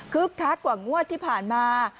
คืบค้ากว่างงวดที่ผ่านมา